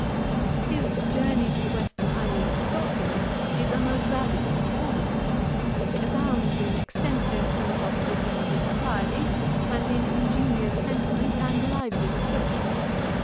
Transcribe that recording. His Journey to the Western Islands of Scotland is a most valuable performance. It abounds in extensive philosophical views of society, and in ingenious sentiment and lively description.